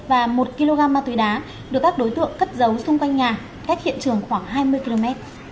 và một kg ma túy đá được các đối tượng cất giấu xung quanh nhà cách hiện trường khoảng hai mươi km